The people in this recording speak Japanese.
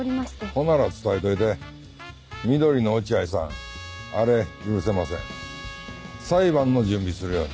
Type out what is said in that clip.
ほんなら伝えといて「緑のおチアイさん」あれ許せません裁判の準備するように。